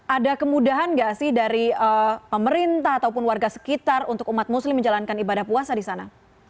ada kemudahan nggak sih dari pemerintah ataupun warga sekitar untuk umat muslim menjalankan ibadah puasa di sana